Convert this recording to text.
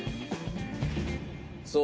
そう。